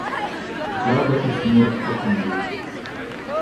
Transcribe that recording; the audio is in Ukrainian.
Зрада і смерть коханої